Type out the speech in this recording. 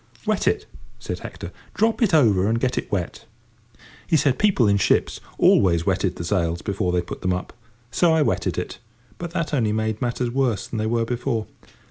"Wet it," said Hector; "drop it over and get it wet." He said people in ships always wetted the sails before they put them up. So I wetted it; but that only made matters worse than they were before.